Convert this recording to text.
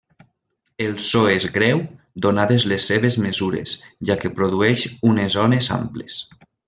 El so és greu donades les seves mesures, ja que produeix unes ones amples.